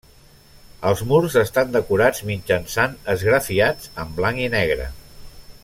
Els murs estan decorats mitjançant esgrafiats en blanc i negre.